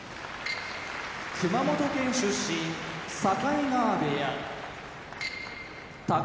熊本県出身境川部屋宝